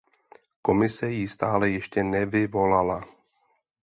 Komise ji stále ještě nevyvolala.